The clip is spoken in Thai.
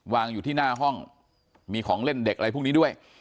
วางอยู่ที่หน้าห้องมีของเล่นเด็กอะไรพวกนี้ด้วย